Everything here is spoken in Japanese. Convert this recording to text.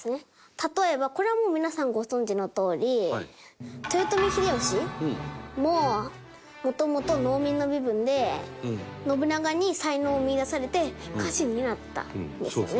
例えばこれはもう皆さんご存じのとおり豊臣秀吉ももともと農民の身分で信長に才能を見いだされて家臣になったんですよね。